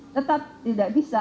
tetap tidak bisa